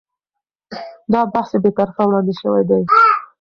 دا بحث بې طرفه وړاندې شوی دی.